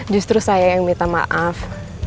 justru saya yang minta maaf